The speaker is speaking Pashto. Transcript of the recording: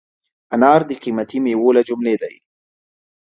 انار د قیمتي مېوو له جملې دی.